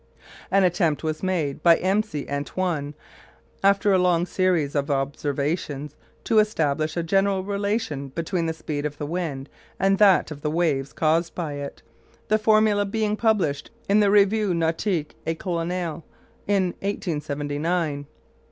An attempt was made by M. C. Antoine, after a long series of observations, to establish a general relation between the speed of the wind and that of the waves caused by it, the formulæ being published in the Revue Nautique et Coloniale in 1879.